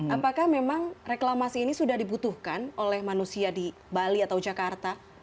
apakah memang reklamasi ini sudah dibutuhkan oleh manusia di bali atau jakarta